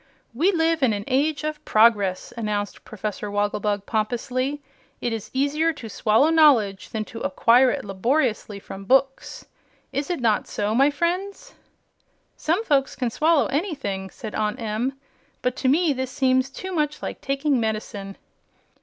"We live in an age of progress," announced Professor Wogglebug, pompously. "It is easier to swallow knowledge than to acquire it laboriously from books. Is it not so, my friends?" "Some folks can swallow anything," said Aunt Em, "but to me this seems too much like taking medicine."